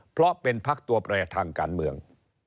เพราะเป็นพักตัวแปรทางการเมือง